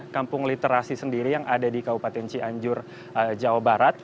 kampung literasi sendiri yang ada di kabupaten cianjur jawa barat